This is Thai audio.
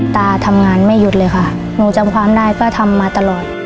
ตาทำงานไม่หยุดเลยค่ะหนูจำความได้ก็ทำมาตลอด